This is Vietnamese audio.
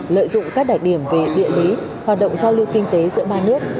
lợi dụng các đặc điểm về địa lý hoạt động giao lưu kinh tế giữa ba nước